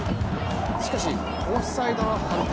しかしオフサイドの判定